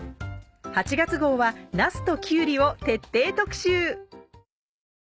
８月号はなすときゅうりを徹底特集。